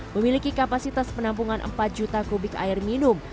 memiliki kapasitas penampungan empat juta kubik air minum